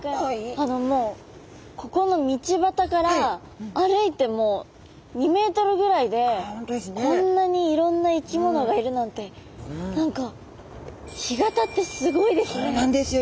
あのもうここの道端から歩いてもう２ｍぐらいでこんなにいろんな生き物がいるなんて何かそうなんですよ。